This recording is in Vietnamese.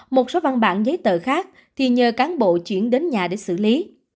một số văn bản giấy tờ khác thì nhờ cán bộ chuyển đến nhà để xử lý